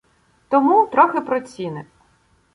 Тому – трохи про ціни